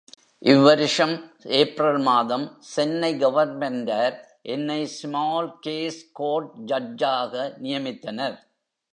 இவ் வருஷம் ஏப்ரல் மாதம் சென்னை கவர்ன்மென்டார் என்னை ஸ்மால் காஸ் கோர்ட் ஜட்ஜாக நியமித்தனர்.